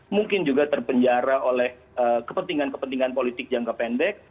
mungkin juga terpenjara oleh kepentingan kepentingan politik jangka pendek